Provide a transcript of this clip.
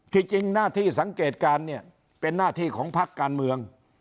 จริงหน้าที่สังเกตการณ์เนี่ยเป็นหน้าที่ของพักการเมือง